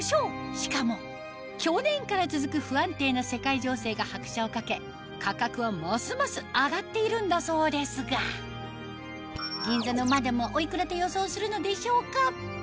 しかも去年から続く不安定な世界情勢が拍車をかけ価格はますます上がっているんだそうですが銀座のマダムはお幾らと予想するのでしょうか？